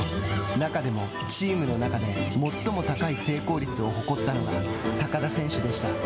中でも、チームの中で最も高い成功率を誇ったのが高田選手でした。